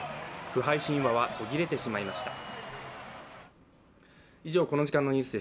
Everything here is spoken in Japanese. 不敗神話は途切れてしまいました。